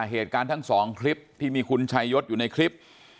เหตุการณ์ทั้งสองคลิปที่มีคุณชัยยศอยู่ในคลิป